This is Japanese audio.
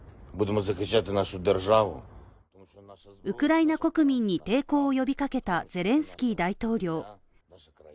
ウクライナ国民に抵抗を呼びかけたゼレンスキー大統領。